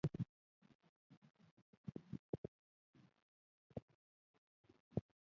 هغه د مراکش د طنجه په ښار کې زېږېدلی دی.